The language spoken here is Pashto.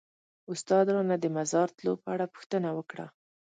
استاد رانه د مزار تلو په اړه پوښتنه وکړه.